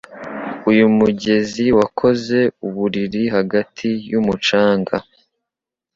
uyu mugezi wakoze uburiri hagati yumucanga